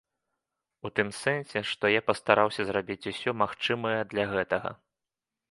У тым сэнсе, што я пастараўся зрабіць усё магчымае для гэтага.